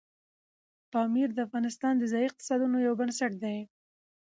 پامیر د افغانستان د ځایي اقتصادونو یو بنسټ دی.